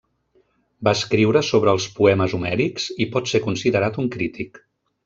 Va escriure sobre els poemes homèrics i pot ser considerat un crític.